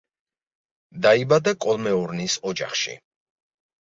დაიბადა კოლმეურნის ოჯახში.